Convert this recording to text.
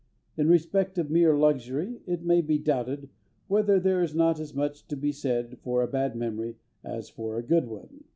In respect of mere luxury, it may be doubted whether there is not as much to be said for a bad memory as for a good one.